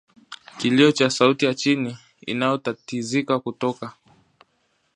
Kilio cha sauti ya chini inayotatizika kutoka